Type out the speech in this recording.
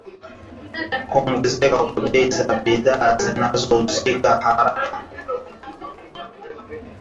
kuongezeka kwa bei za bidhaa zinazouzika haraka